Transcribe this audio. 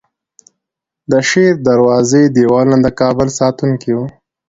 د شیردروازې دیوالونه د کابل ساتونکي وو